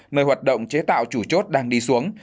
nơi hoạt động chế tạo chủ chốt đang đi xuống